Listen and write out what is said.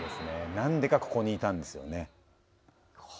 なんでか、ここにいたんですよね。